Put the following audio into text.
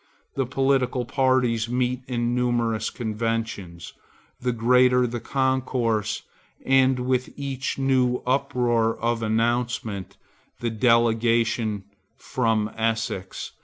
The political parties meet in numerous conventions; the greater the concourse and with each new uproar of announcement, The delegation from Essex!